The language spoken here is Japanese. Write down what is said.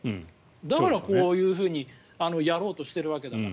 だから、こういうふうにやろうとしてるわけだから。